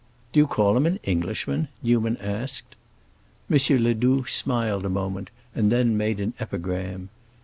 "Do you call him an Englishman?" Newman asked. M. Ledoux smiled a moment and then made an epigram.